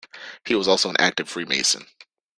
He was also an active Freemason.